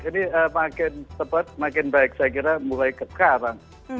ini makin cepat makin baik saya kira mulai sekarang